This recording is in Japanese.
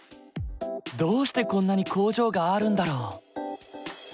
どうしてこんなに工場があるんだろう？